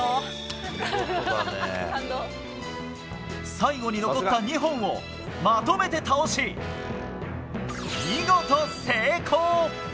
最後に残った２本をまとめて倒し、見事成功！